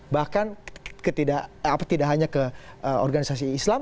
bahkan tidak hanya ke organisasi islam